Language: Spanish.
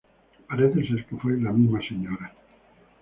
Parece ser que fue la misma Sra.